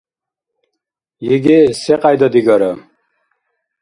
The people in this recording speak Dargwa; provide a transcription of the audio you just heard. ЕГЭ – секьяйда-дигара